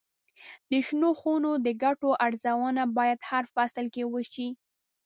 د شنو خونو د ګټو ارزونه باید هر فصل کې وشي.